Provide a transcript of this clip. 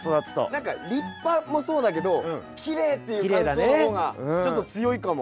何か立派もそうだけどきれいっていう感想の方がちょっと強いかも。